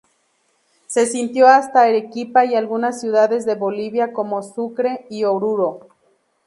Se sintió hasta Arequipa y algunas ciudades de Bolivia como Sucre y Oruro.